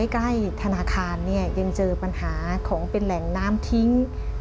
ใกล้ธนาคารยังเจอปัญหาของเป็นแหล่งน้ำทิ้ง